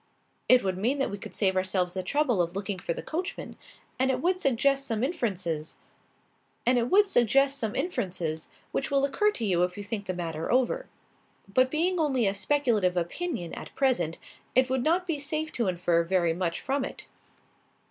"It would mean that we could save ourselves the trouble of looking for the coachman. And it would suggest some inferences, which will occur to you if you think the matter over. But being only a speculative opinion, at present, it would not be safe to infer very much from it."